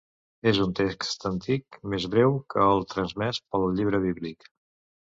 És un text antic més breu que el transmès pel llibre bíblic.